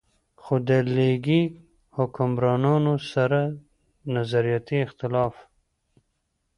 خو د ليګي حکمرانانو سره د نظرياتي اختلاف